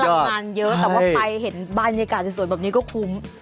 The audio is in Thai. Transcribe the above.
เพราะว่ามันใช้พลังงานเยอะแต่ว่าไปเห็นบรรยากาศสุดแบบนี้ก็คุ้ม